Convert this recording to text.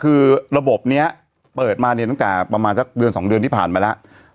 คือระบบนี้เปิดมาเนี่ยตั้งแต่ประมาณสักเดือน๒เดือนที่ผ่านมาแล้ว